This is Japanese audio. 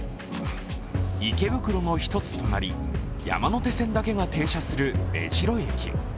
池袋の１つ隣、山手線だけが停車する目白駅。